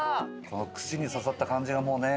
この串に刺さった感じがもうね。